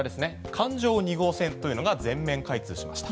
環状２号線というのが全面開通しました。